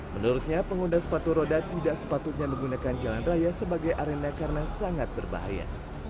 menurutnya pengguna sepatu roda tidak sepatutnya menggunakan jalan raya sebagai arena karena sangat berbahaya